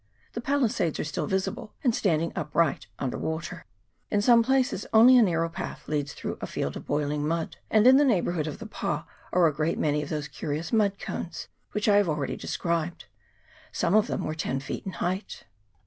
The palisades are still visible, and standing upright under water. In some places only a narrow path leads through a field of boiling mud ; and in the neighbourhood of the pa are a great many of those curious mud cones which I have already described. Some of them were ten feet in height.